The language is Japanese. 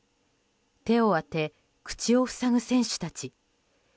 手を当て口を塞ぐ選手たち。